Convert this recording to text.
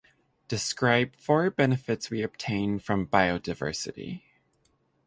Describe four benefits we obtain from biodiversity.